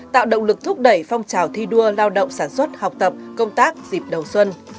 tạo động lực thúc đẩy phong trào thi đua lao động sản xuất học tập công tác dịp đầu xuân